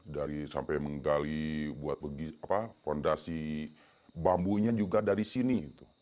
dari sampai menggali buat fondasi bambunya juga dari sini